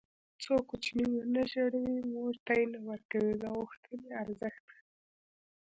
څو کوچنی ونه ژاړي مور تی نه ورکوي د غوښتنې ارزښت ښيي